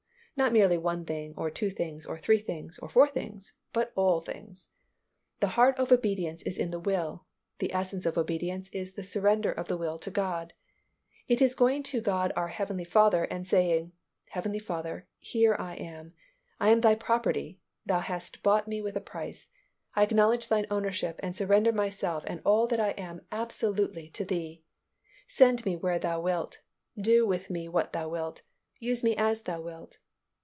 Not merely one thing or two things or three things or four things, but all things. The heart of obedience is in the will, the essence of obedience is the surrender of the will to God. It is going to God our heavenly Father and saying, "Heavenly Father, here I am. I am Thy property. Thou hast bought me with a price. I acknowledge Thine ownership, and surrender myself and all that I am absolutely to Thee. Send me where Thou wilt; do with me what Thou wilt; use me as Thou wilt."